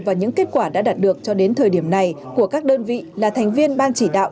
và những kết quả đã đạt được cho đến thời điểm này của các đơn vị là thành viên ban chỉ đạo